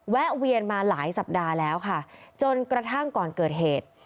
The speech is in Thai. เวียนมาหลายสัปดาห์แล้วค่ะจนกระทั่งก่อนเกิดเหตุ